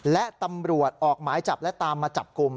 และตำรวจออกหมายจับและตามมาจับกลุ่ม